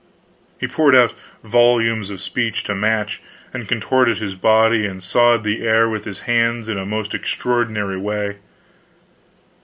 He poured out volumes of speech to match, and contorted his body and sawed the air with his hands in a most extraordinary way.